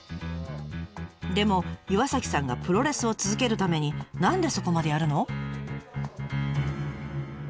でも岩さんがプロレスを続けるために何でそこまでやるの？